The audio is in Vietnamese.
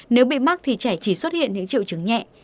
nếu bị mắc thì trẻ chỉ xuất hiện những triệu chứng nhẹ